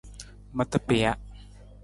Mata pija.